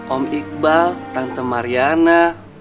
om iqbal tante mariana